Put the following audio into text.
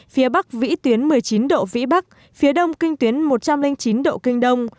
phía bắc vĩ tuyến một mươi chín độ vĩ bắc phía đông kinh tuyến một trăm linh chín độ kinh đông